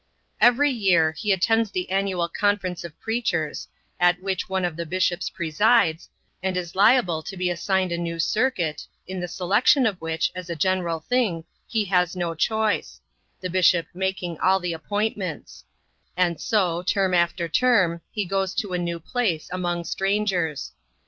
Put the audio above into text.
Every year, he attends the annual conference of preachers, at which one of the bishops presides, and is liable to be assigned a new circuit, in the selection of which, as a general thing, he has no choice the bishop making all the appointments; and so, term after term, he goes to a new place, among strangers.